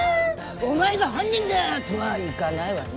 「お前が犯人だ！」とはいかないわね。